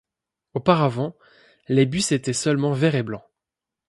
Auparavant, les bus étaitent seulement vert et blanc.